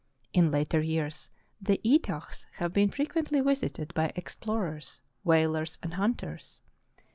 In later years the Etahs have been frequently visited by explorers, whalers, and hunters.